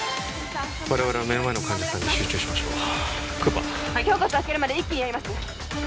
我々は目の前の患者さんに集中しましょうクーパーはい胸骨開けるまで一気にやります